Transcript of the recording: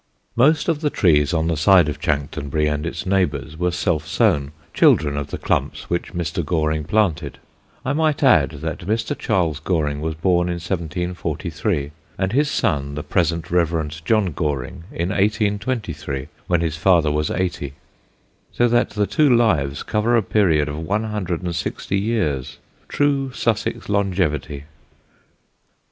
Most of the trees on the side of Chanctonbury and its neighbours were self sown, children of the clumps which Mr. Goring planted. I might add that Mr. Charles Goring was born in 1743, and his son, the present Rev. John Goring, in 1823, when his father was eighty; so that the two lives cover a period of one hundred and sixty years true Sussex longevity.